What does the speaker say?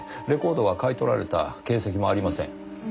レコードが買い取られた形跡もありません。